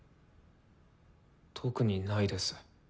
特にないです。